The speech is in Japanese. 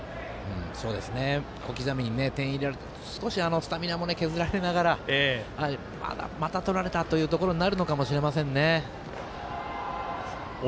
小刻みに点を入れられてスタミナも削られながらまた取られたというところになるのかもしれませんね。